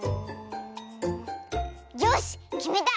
よしきめた！